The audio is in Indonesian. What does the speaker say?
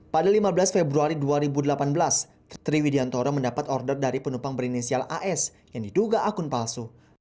pada lima belas februari dua ribu delapan belas triwidiantoro mendapat order dari penumpang berinisial as yang diduga akun palsu